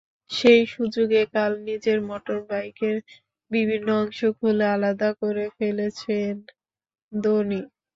সেই সুযোগে কাল নিজের মোটরবাইকের বিভিন্ন অংশ খুলে আলাদা করে ফেলেছেন ধোনি।